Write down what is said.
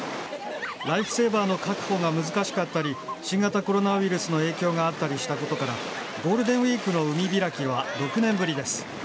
ライフセーバーの確保が難しかったり、新型コロナウイルスの影響があったりしたことから、ゴールデンウィークの海開きは６年ぶりです。